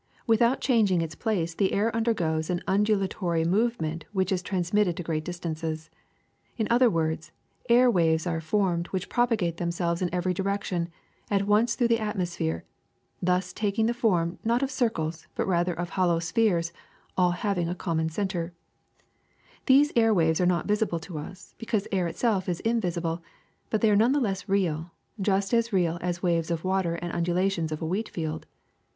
Without changing its place the air undergoes an undulatory movement which is transmitted to great distances. In other words, air waves are formed which propagate them selves in every direction at once through the atmos phere, thus taking the form, not of circles, but rather of hollow spheres, all having a common center. ''These air waves are not visible to us, because air itself is invisible; but they are none the less real, just as real as waves of water and undulations of a wheat field.